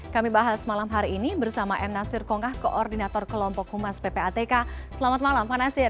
kami bahas malam hari ini bersama m nasir kongah koordinator kelompok humas ppatk selamat malam pak nasir